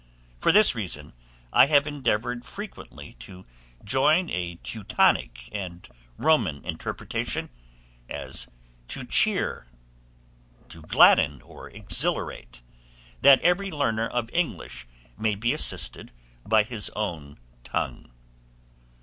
For this reason I have endeavoured frequently to join a Teutonic and Roman interpretation, as to cheer, to gladden or exhilarate, that every learner of English may be assisted by his own tongue.